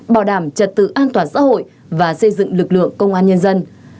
bảo đảm trật tự an toàn xã hội và xây dựng lực lượng công an nhân dân